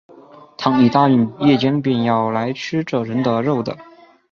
倘一答应，夜间便要来吃这人的肉的